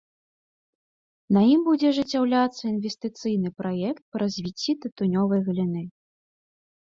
На ім будзе ажыццяўляцца інвестыцыйны праект па развіцці тытунёвай галіны.